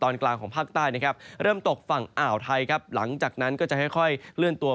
นี้คือสถานการณ์ฝนใต้ที่ยังคงต้องจับตามองกันอย่างต่อเนื่องครับ